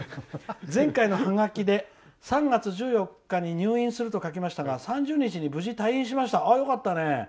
前回のハガキで３月１４日に入院すると書きましたが３０日に無事退院しました。